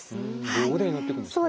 両腕に塗っていくんですね。